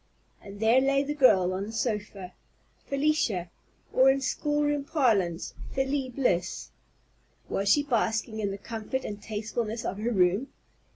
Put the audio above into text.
And there lay the girl on the sofa, Felicia, or, in schoolroom parlance, Felie Bliss. Was she basking in the comfort and tastefulness of her room?